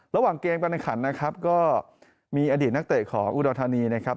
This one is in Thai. ระหว่างเกมการแข่งขันนะครับก็มีอดีตนักเตะของอุดรธานีนะครับ